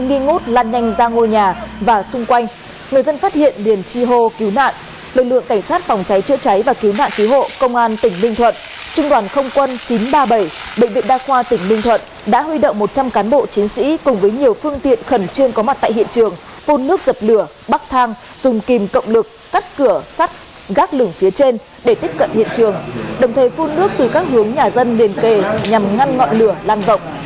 nghi ngút lan nhanh ra ngôi nhà và xung quanh người dân phát hiện liền chi hô cứu nạn lực lượng cảnh sát phòng cháy chữa cháy và cứu nạn cứu hộ công an tỉnh ninh thuận trung đoàn không quân chín trăm ba mươi bảy bệnh viện đa khoa tỉnh ninh thuận đã huy động một trăm linh cán bộ chiến sĩ cùng với nhiều phương tiện khẩn trương có mặt tại hiện trường phun nước dập lửa bắt thang dùng kìm cộng lực cắt cửa sắt gác lửng phía trên để tiếp cận hiện trường đồng thời phun nước từ các hướng nhà dân liền kề nhằm ngăn ngọn lửa lan rộng